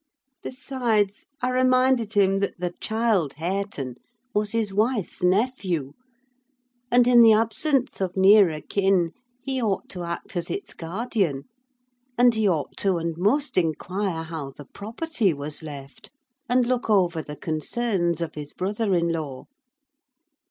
Besides, I reminded him that the child Hareton was his wife's nephew, and, in the absence of nearer kin, he ought to act as its guardian; and he ought to and must inquire how the property was left, and look over the concerns of his brother in law.